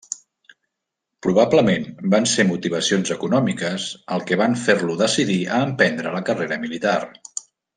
Probablement van ser motivacions econòmiques el que van fer-lo decidir a emprendre la carrera militar.